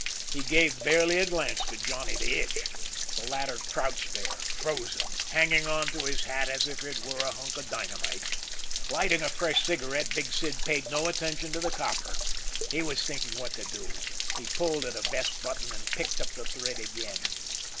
He gave barely a glance to Johnny the Itch. The latter crouched there, frozen, hanging onto his hat as if it were a hunk of dynamite. Lighting a fresh cigaret, Big Sid paid no attention to the copper. He was thinking what to do. He pulled at a vest button and picked up the thread again.